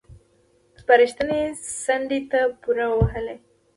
سپارښتنې څنډې ته پورې ووهل شوې.